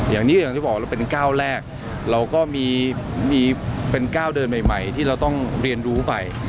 อย่างที่บอกเราเป็นก้าวแรกเราก็มีเป็นก้าวเดินใหม่ที่เราต้องเรียนรู้ไป